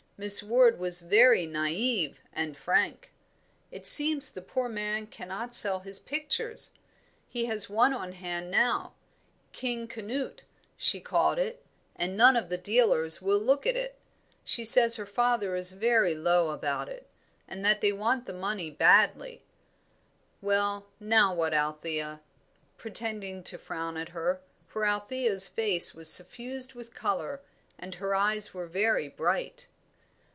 Miss Ward was very naive and frank. It seems the poor man cannot sell his pictures; he has one on hand now. 'King Canute,' she called it, and none of the dealers will look at it. She says her father is very low about it, and that they want the money badly. Well, what now, Althea?" pretending to frown at her; for Althea's face was suffused with colour, and her eyes were very bright.